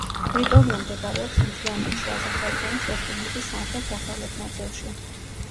ტერიტორია მდებარეობს მთიანეთში, აზერბაიჯანის რესპუბლიკის სამხრეთ-დასავლეთ ნაწილში.